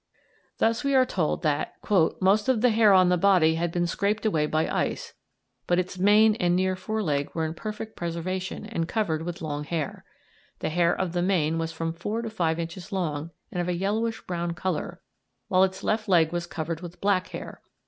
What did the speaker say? Thus we are told that "most of the hair on the body had been scraped away by ice, but its mane and near foreleg were in perfect preservation and covered with long hair. The hair of the mane was from four to five inches long, and of a yellowish brown colour, while its left leg was covered with black hair.